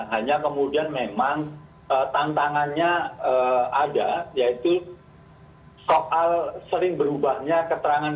hanya kemudian memang tantangannya ada yaitu soal sering berubahnya keterangan